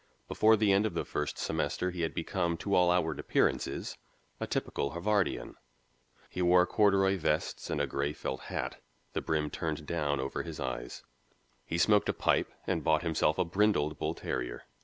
Before the end of the first semester he had become to all outward appearances a typical Harvardian. He wore corduroy vests and a gray felt hat, the brim turned down over his eyes. He smoked a pipe and bought himself a brindled bull terrier.